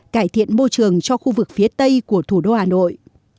cải thiện môi trường cho khu vực phía tây của thủ đô hà nội